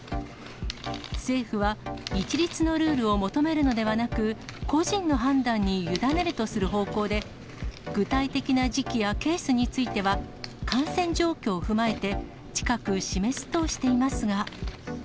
政府は一律のルールを求めるのではなく、個人の判断に委ねるとする方向で、具体的な時期やケースについては、感染状況を踏まえて、近く、示すとしていますが。